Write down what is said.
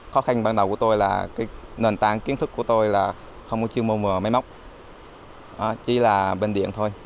khó khăn ban đầu của tôi là cái nền tảng kiến thức của tôi là không có chiêu mô mở máy móc chỉ là bên điện thôi